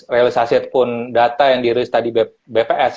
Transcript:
realisasinya pun data yang dirilis tadi bps